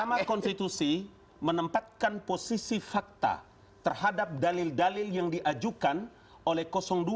mahkamah konstitusi menempatkan posisi fakta terhadap dalil dalil yang diajukan oleh dua